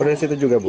oh dari situ juga bu